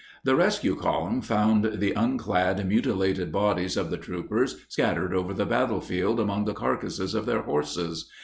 The rescue column found the unclad, mutilated bodies of the troopers scattered over the battlefield among the carcasses of their horses.